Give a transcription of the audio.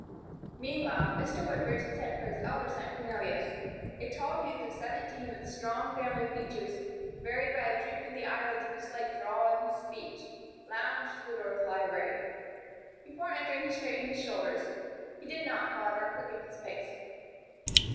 Meanwhile Mr. Woodbridge had sent for his elder son, Cornelius. A tall youth of seventeen, with the strong family features, varied by a droop in the eyelids and a slight drawl in his speech, lounged to the door of the library. Before entering he straightened his shoulders; he did not, however, quicken his pace.